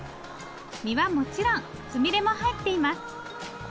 身はもちろんつみれも入っています。